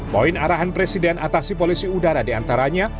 poin arahan presiden atasi polusi udara diantaranya